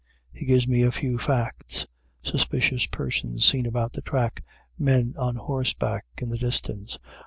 He gives me a few facts, suspicious persons seen about the track, men on horseback in the distance.